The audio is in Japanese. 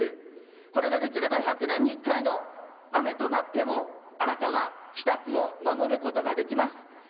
これができれば１００年に１回の雨となっても荒川、北区を守ることができます。